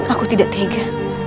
aku tidak tega